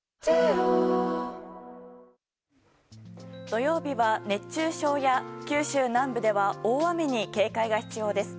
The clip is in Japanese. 土曜日は熱中症や九州南部では大雨に警戒が必要です。